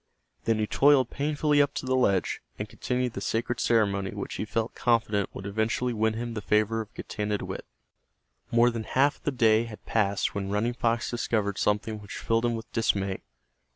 Then he toiled painfully up to the ledge, and continued the sacred ceremony which he felt confident would eventually win him the favor of Getanittowit. More than half of the day had passed when Running Fox discovered something which filled him with dismay.